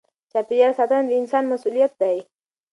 چاپېریال ساتنه د انسان مسؤلیت دی.